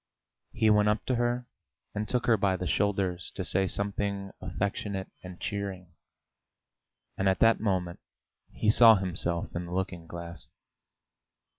He went up to her and took her by the shoulders to say something affectionate and cheering, and at that moment he saw himself in the looking glass.